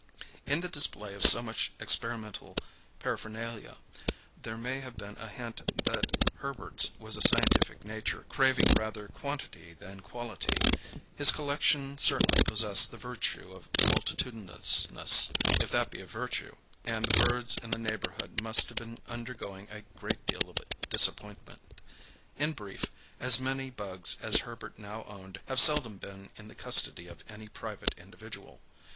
In the display of so much experimental paraphernalia, there may have been a hint that Herbert's was a scientific nature craving rather quantity than quality; his collection certainly possessed the virtue of multitudinousness, if that be a virtue; and the birds in the neighbourhood must have been undergoing a great deal of disappointment. In brief, as many bugs as Herbert now owned have seldom been seen in the custody of any private individual.